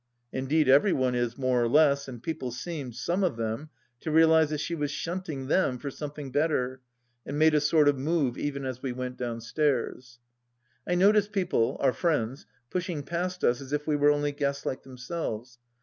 Indeed every one is, more or less, and people seemed — some of them — to realize that she was shunting them for something better, and made a sort of move even as we went downstairs. I noticed people, our friends, pushing past us as if we were only guests like themselves.